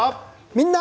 「みんな！